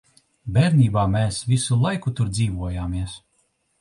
Bērnībā mēs visu laiku tur dzīvojāmies.